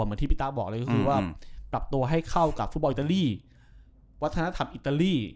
เหมือนที่พี่ต้าบอกเลยก็คือว่าปรับตัวให้เข้ากับฟุตบอลอิตาลีวัฒนธรรมอิตาลี